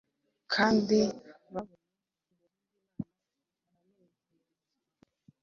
kandi abonye ubuntu bw’Imama aranezerwa,